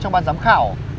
trong ban giám khảo